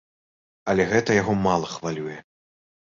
Але гэта яго мала хвалюе.